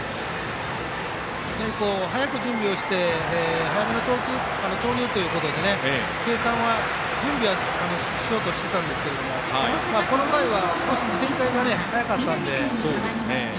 やはり、早く準備をして早めの投入ということで準備はしようとしていたんですけどこの回は、少し展開が早かったんでね。